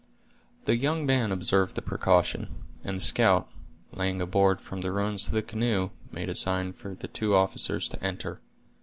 The young man observed the precaution; and the scout, laying a board from the ruins to the canoe, made a sign for the two officers to enter.